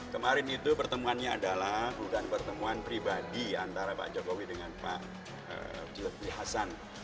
kemarin itu pertemuannya adalah bukan pertemuan pribadi antara pak jokowi dengan pak zulkifli hasan